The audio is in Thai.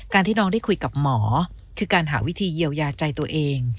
ที่น้องได้คุยกับหมอคือการหาวิธีเยียวยาใจตัวเอง